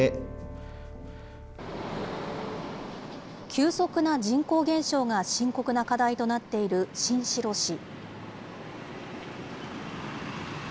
急速な人口減少が深刻な課題となっている新城市。